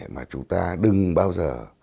mà chúng ta đừng bao giờ